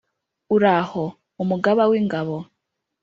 Uhoraho, Umugaba w’ingabo,